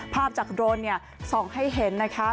ภาพจากโดรนเนี่ยส่องให้เห็นนะคะ